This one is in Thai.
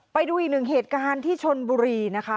ไปดูอีกหนึ่งเหตุการณ์ที่ชนบุรีนะคะ